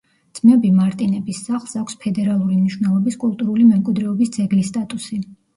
ძმები მარტინების სახლს აქვს ფედერალური მნიშვნელობის კულტურული მემკვიდრეობის ძეგლის სტატუსი.